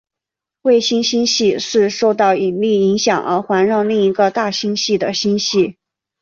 卫星星系是受到引力影响而环绕另一个大星系的星系。